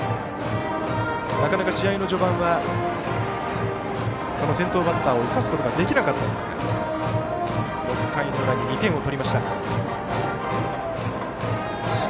なかなか試合序盤は先頭バッターを生かすことができなかったんですが６回の裏に２点を取りました。